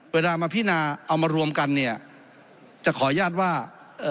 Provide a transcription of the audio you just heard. เวลามาพินาเอามารวมกันเนี่ยจะขออนุญาตว่าเอ่อ